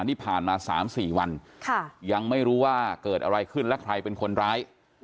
นี่ผ่านมา๓๔วันยังไม่รู้ว่าเกิดอะไรขึ้นและใครเป็นคนร้าย